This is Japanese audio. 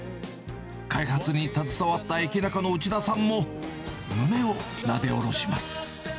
開発に携わったエキナカの内田さんも、胸をなでおろします。